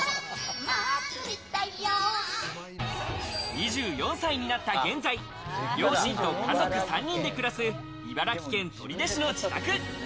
２４歳になった現在、両親と家族３人で暮らす茨城県取手市の自宅。